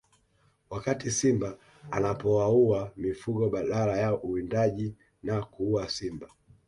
Wakati simba anapowaua mifugo badala ya uwindaji na kuua simba